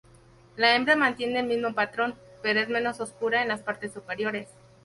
La hembra mantiene el mismo patrón, pero es menos oscura en las partes superiores.